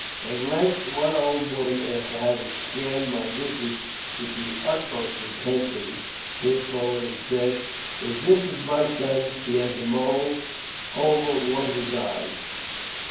At length one old woman, after having scanned my visage with the utmost intentness, came forward and said, If this is my son, he has a mole over one of his eyes.